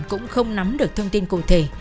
cũng không nắm được thông tin cụ thể